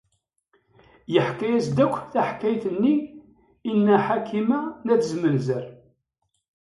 Yeḥka-as-d akk taḥkayt-nni i Nna Ḥakima n At Zmenzer.